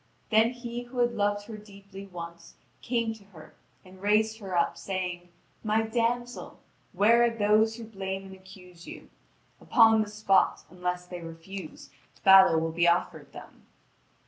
Then he who had loved her deeply once came to her and raised her up, saying: "My damsel, where are those who blame and accuse you? Upon the spot, unless they refuse, battle will be offered them."